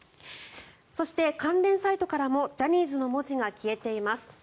そして、関連サイトからもジャニーズの文字が消えています。